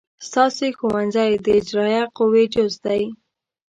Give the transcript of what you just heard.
ستاسې ښوونځی د اجرائیه قوې جز دی.